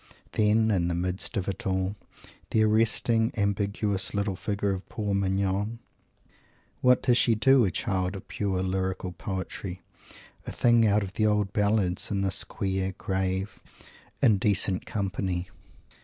Then, in the midst of it all, the arresting, ambiguous little figure of poor Mignon! What does she do a child of pure lyrical poetry a thing out of the old ballads in this queer, grave, indecent company?